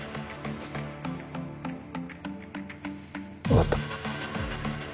わかった。